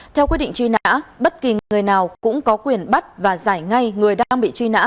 theo quyết định truy nã bất kỳ người nào cũng có quyền bắt và giải ngay người đang bị truy nã